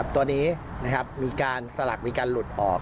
ตัวนี้มีการสลักมีการหลุดออก